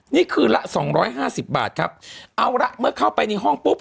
นี่คืนละ๒๕๐บาทครับเอาละเมื่อเข้าไปในห้องปุ๊บ